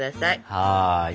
はい。